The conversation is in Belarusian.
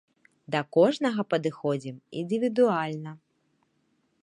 Да кожнага падыходзім індывідуальна.